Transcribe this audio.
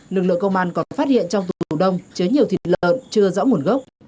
lực lượng công an còn phát hiện trong tủ đông chứa nhiều thịt lợn chưa rõ nguồn gốc